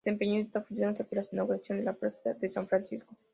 Desempeñó esa función hasta que la inauguración de la plaza de San Francisco.